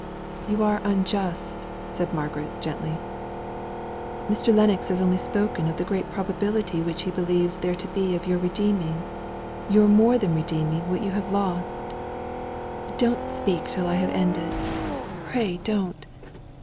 "You are unjust," said Margaret, gently. "Mr. Lennox has only spoken of the great probability which he believes there to be of your redeeming your more than redeeming what you have lost don't speak till I have ended pray don't."